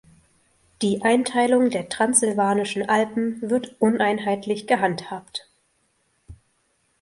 Die Einteilung der Transsilvanischen Alpen wird uneinheitlich gehandhabt.